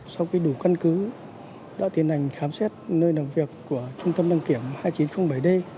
sau khi đủ căn cứ đã tiến hành khám xét nơi làm việc của trung tâm đăng kiểm hai nghìn chín trăm linh bảy d